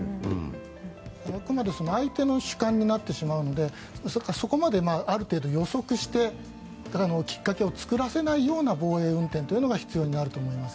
あくまで相手の主観になってしまうのでそこまである程度予測してきっかけを作らせないような防衛運転というのが必要になると思います。